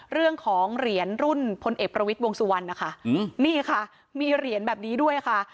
เรื่องของเหรียญรุ่นพลเอกประวิทย์วงสุวรรณนะคะนี่ค่ะมีเหรียญแบบนี้ด้วยค่ะ